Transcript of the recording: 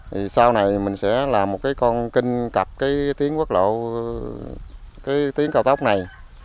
thì sau này mình sẽ làm một cái con kinh cập cái tiếng quốc lộ cái tiếng cao tốc này